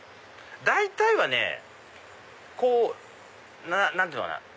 大体はねこう何て言うのかな。